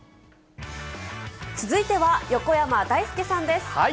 続いては、横山だいすけさんです。